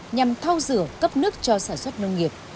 nhằm thao rửa cấp nước cho sản xuất nông nghiệp